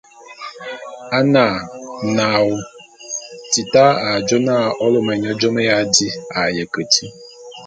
A na, naôô ! Tita a jô na ô lôme nye jôme ya di a ye keti.